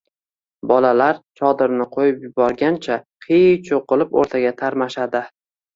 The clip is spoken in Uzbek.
Bolalar chodirni qo‘yib yuborgancha qiy-chuv qilib o‘rtaga tarmashadi.